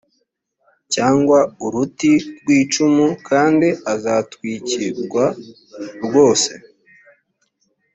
cyangwa uruti rw icumu kandi azatwik rwa rwose